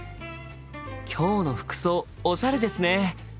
今日の服装おしゃれですね。